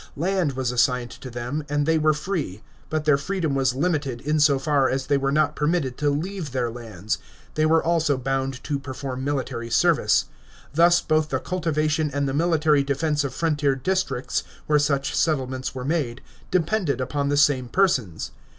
Land was assigned to them, and they were free; but their freedom was limited in so far as they were not per mitted to leave their lands. They were also bound to perform military service. Thus both the cultivation and the military defence of frontier districts, where such settlements were made, depended upon the same persons.